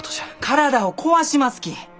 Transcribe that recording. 体を壊しますき！